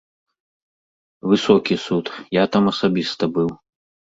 Высокі суд, я там асабіста быў.